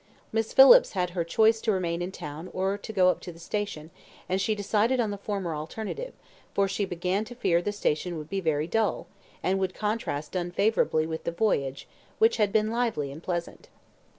Miss Phillips had her choice to remain in town or to go up to the station, and she decided on the former alternative, for she began to fear the station would be very dull, and would contrast unfavourably with the voyage, which had been lively and pleasant.